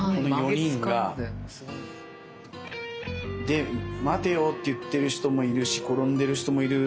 で「待てよ」って言ってる人もいるし転んでる人もいる。